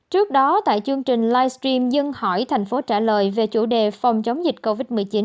trước đó tại chương trình livestream dân hỏi thành phố trả lời về chủ đề phòng chống dịch covid một mươi chín